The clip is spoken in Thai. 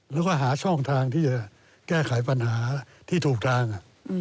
แล้วก็หาช่องทางที่จะแก้ไขปัญหาที่ถูกทาง